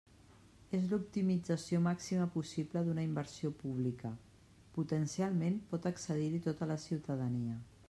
És l'optimització màxima possible d'una inversió pública: potencialment pot accedir-hi tota la ciutadania.